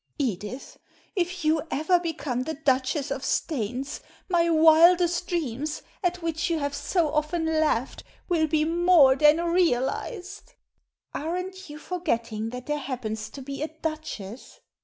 Edith, if you ever become the Duchess of Staines, my wildest dreams, at which you have so often laughed, will be more than realised." " Aren't you forgetting that there happens to be a Duchess?"